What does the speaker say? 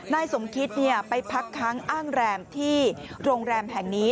นายสมคิตไปพักค้างอ้างแรมที่โรงแรมแห่งนี้